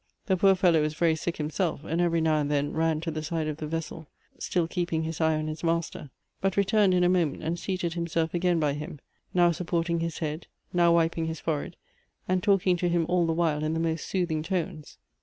The poor fellow was very sick himself, and every now and then ran to the side of the vessel, still keeping his eye on his master, but returned in a moment and seated himself again by him, now supporting his head, now wiping his forehead and talking to him all the while in the most soothing tones.